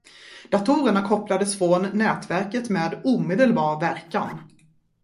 Datorerna kopplades från nätverket med omedelbar verkan.